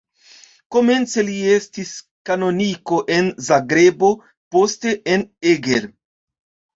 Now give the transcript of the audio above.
Komence li estis kanoniko en Zagrebo, poste en Eger.